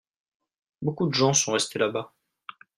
Beaucoup de gens sont restés là-bas.